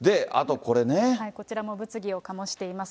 こちらも物議を醸しています。